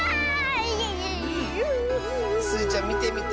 スイちゃんみてみて。